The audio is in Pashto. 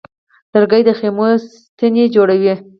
لرګی د خیمو ستنې جوړوي.